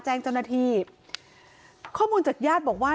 แจ้งเจ้าหน้าที่ข้อมูลจากญาติบอกว่า